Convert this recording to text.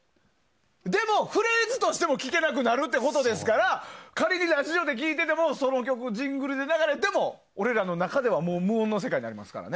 でもフレーズとしても聴きたくなるということですからかりにラジオで聞いていてもその曲ジングルで流れても俺らの中では無音の世界になりますからね。